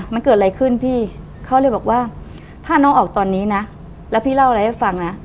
มันเกิดอะไรขึ้นพี่เขาเลยบอกว่าถ้าน้องออกตอนนี้นะแล้วพี่เล่าอะไรให้ฟังนะ